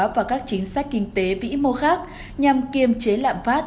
và các chính sách kinh tế vĩ mô khác nhằm kiềm chế lạm phát